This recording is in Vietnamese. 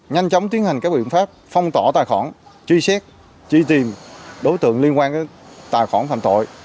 nhanh chóng tiến hành các biện pháp phong tỏ tài khoản truy xét truy tìm đối tượng liên quan tới tài khoản phạm tội